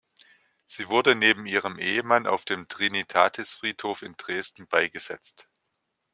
Sie wurde neben ihrem Ehemann auf dem Trinitatisfriedhof in Dresden beigesetzt.